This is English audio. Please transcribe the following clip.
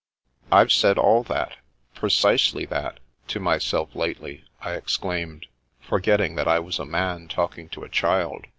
"Fve said all that — ^precisely that — ^to myself lately," I exclaimed, forgetting that I was a man talking to a child.